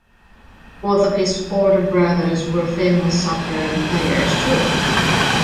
Both of his older brothers were famous soccer players, too.